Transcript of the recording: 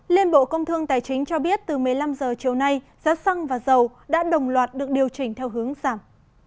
liên bộ công thương tài chính cho biết từ một mươi năm h chiều nay giá xăng và dầu đã đồng loạt được điều chỉnh theo hướng giảm